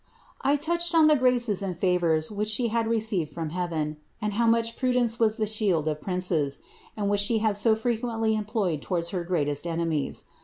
I touched on the graces and favours wliich she had received from heaven, and how much prudence was the shield of princes, and which she liad so frequently employed towards her greatest enemies.